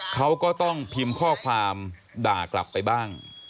เขาก็ต้องพิมพ์ข้อความด่ากลับไปบ้าง